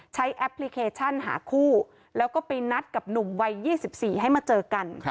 แอปพลิเคชันหาคู่แล้วก็ไปนัดกับหนุ่มวัย๒๔ให้มาเจอกัน